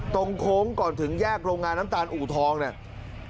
โค้งก่อนถึงแยกโรงงานน้ำตาลอูทองเนี่ย